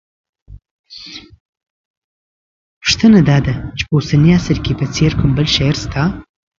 پوښتنه دا ده چې په اوسني عصر کې په څېر کوم بل شاعر شته